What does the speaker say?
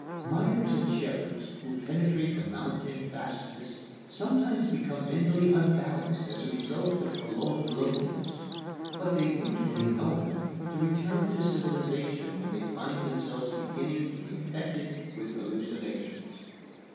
Miners and shepherds who penetrate the mountain fastnesses sometimes become mentally unbalanced as a result of prolonged loneliness. But they usually know enough to return to civilization when they find themselves beginning to be affected with hallucinations.